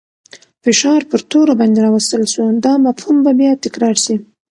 فشار پر تورو باندې راوستل سو. دا مفهوم به بیا تکرار سي.